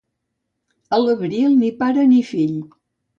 A l'abril, ni pare ni fill.